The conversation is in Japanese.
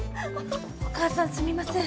お母さんすみません。